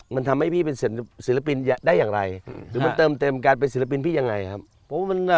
มันทำให้พี่เป็นศิลปินได้อย่างไรหรือมันเติมเต็มการเป็นศิลปินพี่ยังไงครับ